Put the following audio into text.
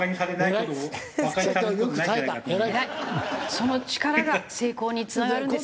その力が成功につながるんです。